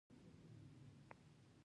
چین د تاریخي اقتصاد بیا احیا کړې.